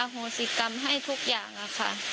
โหสิกรรมให้ทุกอย่างค่ะ